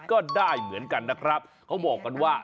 ก็ได้เหมือนกันนะครับเขาบอกกันว่า